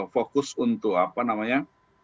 fokus untuk apa namanya